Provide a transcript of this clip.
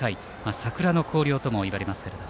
サクラの広陵ともいわれます。